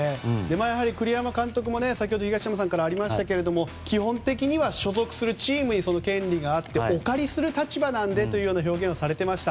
栗山監督も先ほど東山さんからありましたが基本的には所属するチームに権利があってお借りする立場なんでという表現をされていました。